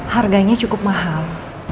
harganya cukup mahal